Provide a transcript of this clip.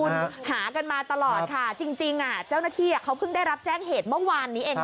คุณหากันมาตลอดค่ะจริงเจ้าหน้าที่เขาเพิ่งได้รับแจ้งเหตุเมื่อวานนี้เอง